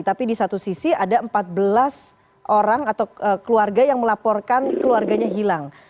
tapi di satu sisi ada empat belas orang atau keluarga yang melaporkan keluarganya hilang